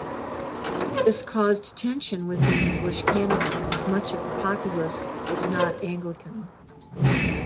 This caused tension within English Canada, as much of the populace was not Anglican.